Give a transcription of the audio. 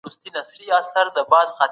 ګاونډی هیواد اقتصادي بندیزونه نه مني.